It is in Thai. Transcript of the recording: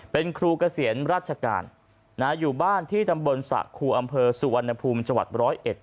เป็นครูเกษียณราชการอยู่บ้านที่ตำบลสระครูอำเภอสุวรรณภูมิจังหวัดร้อยเอ็ด